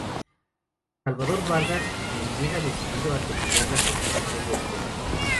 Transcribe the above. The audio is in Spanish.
Salvador Vargas quien llega decidido a terminar la construcción del templo.